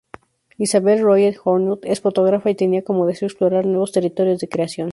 Isabelle Royet-Journoud es fotógrafa, y tenía como deseo explorar nuevos territorios de creación.